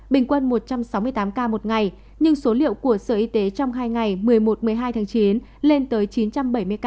bình quân một trăm sáu mươi tám ca một ngày nhưng số liệu của sở y tế trong hai ngày một mươi một một mươi hai tháng chín lên tới chín trăm bảy mươi ca